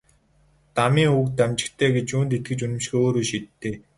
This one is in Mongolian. Дамын үг дамжигтай гэж юунд итгэж үнэмшихээ өөрөө шийд дээ.